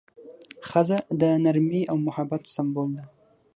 ښځه د نرمۍ او محبت سمبول ده.